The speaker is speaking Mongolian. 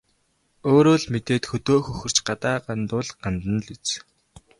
Өөрөө л мэдээд хөдөө хөхөрч, гадаа гандвал гандана л биз.